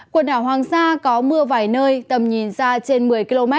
quận đảo hoàng sa có mưa vài nơi tầm nhìn ra trên một mươi km